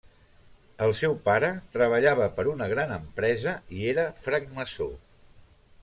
El seu pare treballava per a una gran empresa i era francmaçó.